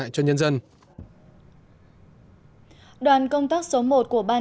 cho nên nó dẫn đến cái vấn đề này